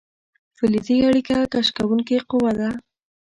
فلزي اړیکه کش کوونکې قوه ده.